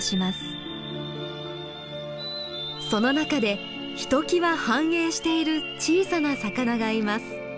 その中でひときわ繁栄している小さな魚がいます。